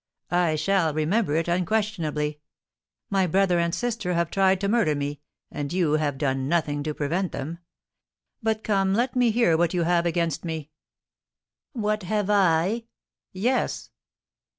"I shall remember it, unquestionably. My brother and sister have tried to murder me, and you have done nothing to prevent them. But come, let me hear what you have against me?" "What have I?" "Yes."